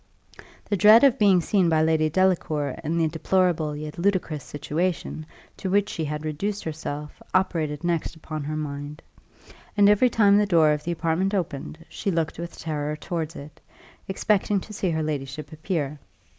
The dread of being seen by Lady Delacour in the deplorable yet ludicrous situation to which she had reduced herself operated next upon her mind, and every time the door of the apartment opened, she looked with terror towards it, expecting to see her ladyship appear.